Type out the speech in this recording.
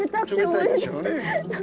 冷たいでしょうね。